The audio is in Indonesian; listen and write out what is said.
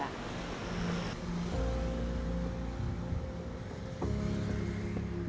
banjarbinoh kaja ubung denpasar